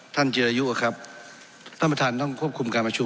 จิรายุครับท่านประธานต้องควบคุมการประชุม